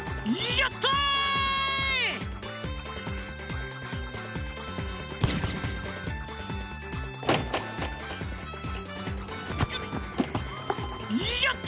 やったった！